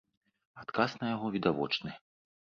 Адказ на яго відавочны.